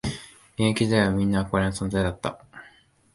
現役時代はみんな憧れの存在だった